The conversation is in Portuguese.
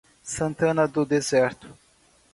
Santana do Deserto